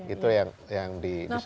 itu yang disampaikan